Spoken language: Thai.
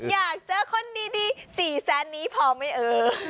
อยากเจอคนดีสี่แซนนี้พอมั้ยเอ๋ย